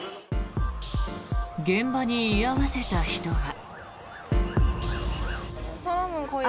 現場に居合わせた人は。